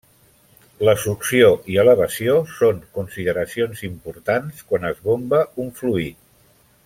La succió i elevació són consideracions importants quan es bomba un fluid.